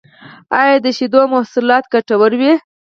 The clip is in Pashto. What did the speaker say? ایا د شیدو محصولات ګټور وی؟